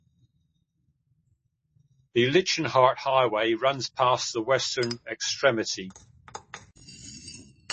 The Leichhardt Highway runs past the western extremity.